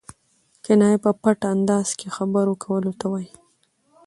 کنایه په پټ انداز کښي خبرو کولو ته وايي.